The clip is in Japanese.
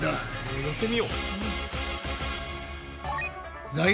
やってみよう。